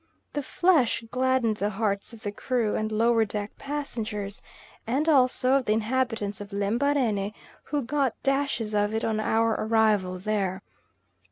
The flesh gladdened the hearts of the crew and lower deck passengers and also of the inhabitants of Lembarene, who got dashes of it on our arrival there.